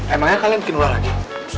emangnya kalian bikin luar lagi